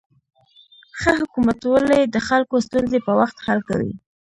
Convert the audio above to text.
ښه حکومتولي د خلکو ستونزې په وخت حل کوي.